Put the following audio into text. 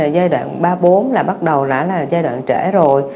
giai đoạn ba bốn là bắt đầu là giai đoạn trễ rồi